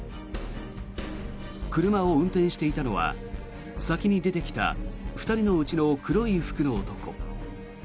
車を運転していたのは先に出てきた２人のうちの黒い服の男。